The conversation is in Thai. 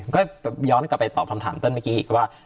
ก็ย้อนกลับไปตอบคำถามเติ้ลเมื่อกี้อีกว่า